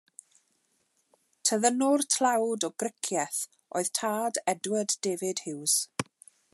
Tyddynwr tlawd o Gricieth oedd tad Edward David Hughes.